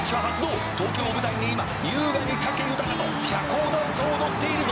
「東京を舞台に今優雅に武豊と社交ダンスを踊っているぞ」